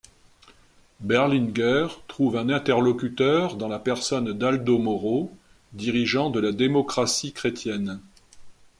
Berlinguer trouve un interlocuteur dans la personne d'Aldo Moro, dirigeant de la Démocratie Chrétienne.